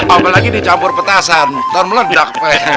apalagi dicampur petasan daun meledak